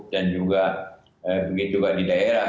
dan juga begitu juga di daerah